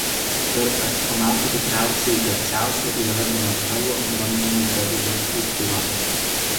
Tarp eksponatų tikriausiai garsiausia yra Donatelo bronzinė Dovydo skulptūra.